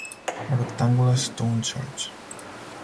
A rectangular stone church.